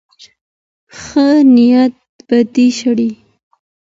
ښه نيت بدۍ شړي.